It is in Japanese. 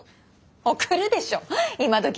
送るでしょ今どき